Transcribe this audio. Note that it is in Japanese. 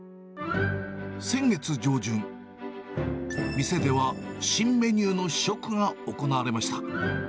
先月上旬、店では新メニューの試食が行われました。